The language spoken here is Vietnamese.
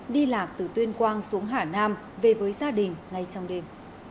đi lạc từ tuyên quang xuống hà nam về với gia đình ngay trong đêm